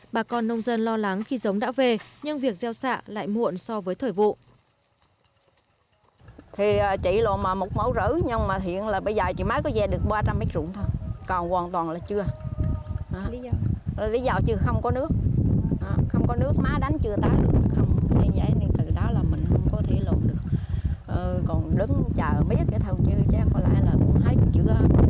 bà con nông dân lo lắng khi giống đã về nhưng việc gieo xạ lại muộn so với thời vụ